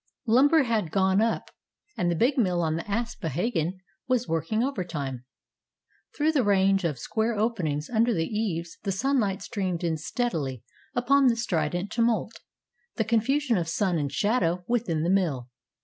Lumber had gone up, and the big mill on the Aspohegan was working overtime. Through the range of square openings under the eaves the sunlight streamed in steadily upon the strident tumult, the confusion of sun and shadow, within the mill.